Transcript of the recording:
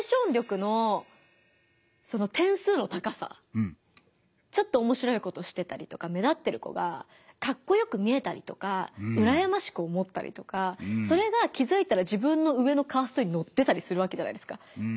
あの学生時代のちょっと面白いことしてたり目立ってる子がカッコよく見えたりとかうらやましく思ったりとかそれが気づいたら自分の上のカーストにのってたりするわけじゃないですか。